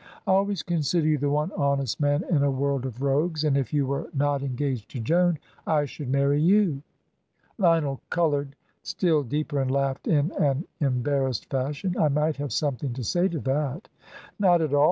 I always consider you the one honest man in a world of rogues, and if you were not engaged to Joan, I should marry you." Lionel coloured still deeper and laughed in an embarrassed fashion. "I might have something to say to that." "Not at all.